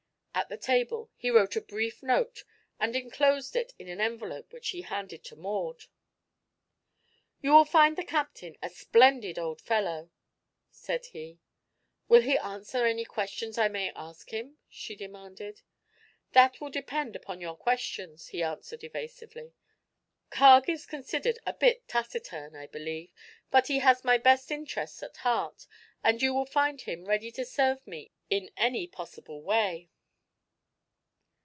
At the table he wrote a brief note and enclosed it in an envelope which he handed to Maud. "You will find the captain a splendid old fellow," said he. "Will he answer any questions I may ask him?" she demanded. "That will depend upon your questions," he answered evasively. "Carg is considered a bit taciturn, I believe, but he has my best interests at heart and you will find him ready to serve me in any possible way."